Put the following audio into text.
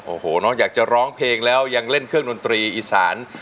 โอ้โหนอกจากร้องเพลงแล้วยังเล่นเครื่องดนตรีอีสาน